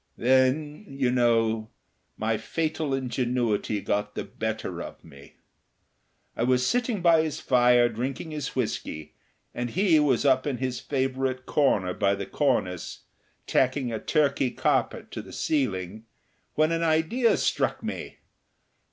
Then, you know, my fatal ingenuity got the better of me. I was sitting by his fire drinking his whisky, and he was up in his favourite corner by the cornice, tacking a Turkey carpet to the ceiling, when the idea struck me.